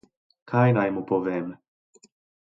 Kaj naj mu povem?